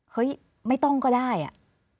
เฮ้ยไม่ต้องก็ได้อ่ะ